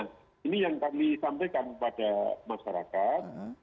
nah ini yang kami sampaikan kepada masyarakat